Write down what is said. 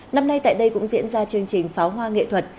năm nay tại đây cũng diễn ra chương trình pháo hoa nghệ thuật